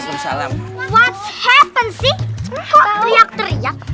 what's happen sih kok teriak teriak